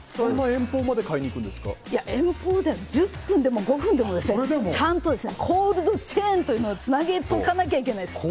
遠方じゃなくて１０分でも５分でもですねちゃんとコールドチェーンというのをつなげておかなきゃいけないです。